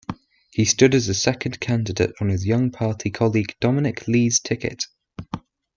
He stood as a second candidate on his young party colleague Dominic Lee's ticket.